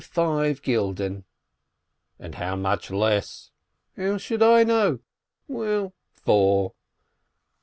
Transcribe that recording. "Five gulden." "And how much less?" "How should I know? Well, four."